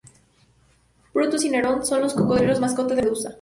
Brutus y Nerón son los cocodrilos mascota de Medusa.